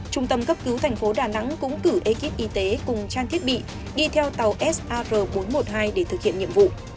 trung tâm cấp cứu thành phố đà nẵng cũng cử ekip y tế cùng trang thiết bị đi theo tàu sar bốn trăm một mươi hai để thực hiện nhiệm vụ